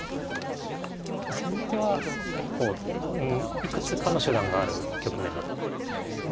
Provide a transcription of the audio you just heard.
先手は結構いくつかの手段がある局面だと思うんですね。